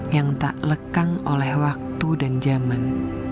yang tak lekang oleh waktu dan zaman